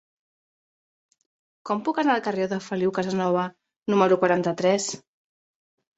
Com puc anar al carrer de Feliu Casanova número quaranta-tres?